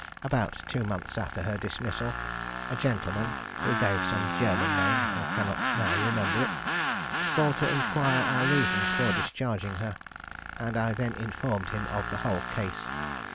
About two months after her dismissal, a gentleman, who gave some German name I cannot now remember it called to inquire our reasons for discharging her, and I then informed him of the whole case.